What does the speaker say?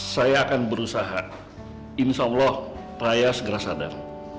saya akan berusaha insya allah pria segera sadar